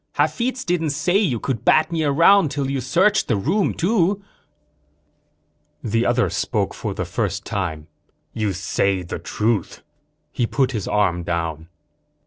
"Hafitz didn't say you could bat me around till you searched the room, too." The other spoke for the first time. "You say the truth." He put his arm down.